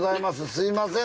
すいません